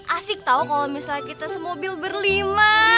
asik tau kalau misalnya kita se mobil berlima